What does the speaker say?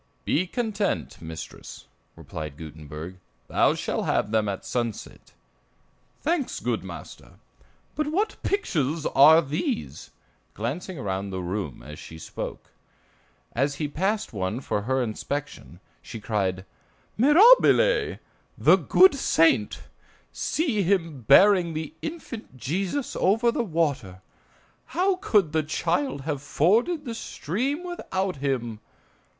"Be content, mistress," replied Gutenberg; "thou shall have them at sunset." "Thanks, good master; but what pictures are these?" glancing around the room as she spoke. As he passed one for her inspection, she cried: "Mirabile! the good saint! See him bearing the infant Jesus over the water. How could the child have forded the stream without him?